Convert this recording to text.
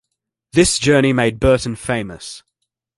This journey made Burton famous.